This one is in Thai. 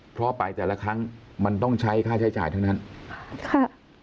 เพราะไปแต่ละครั้งมันต้องใช้ค่าใช้จ่ายทั้งนั้นค่ะ